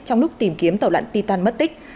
trong lúc tìm kiếm tàu lặn titan mất tích